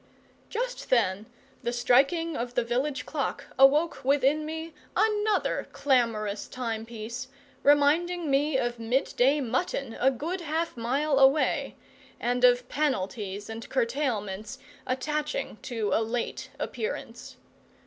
Just then the striking of the village clock awoke within me another clamorous timepiece, reminding me of mid day mutton a good half mile away, and of penalties and curtailments attaching to a late appearance.